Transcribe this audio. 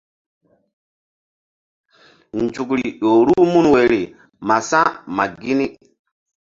Nzukri ƴo ruh mun woyri ma sa̧ ma gini.